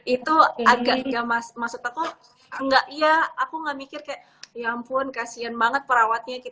itu agak nggak maksud aku nggak iya aku nggak mikir kayak ya ampun kasihan banget perawatnya